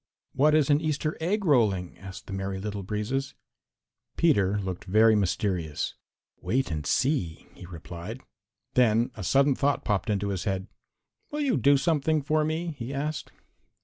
"What is an Easter egg rolling?" asked the Merry Little Breezes. Peter looked very mysterious. "Wait and see," he replied. Then a sudden thought popped into his head. "Will you do something for me?" he asked.